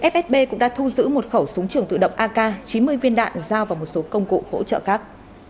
fsb cũng đã thu giữ một khẩu súng trường tự động ak chín mươi viên đạn giao và một số công cụ hỗ trợ khác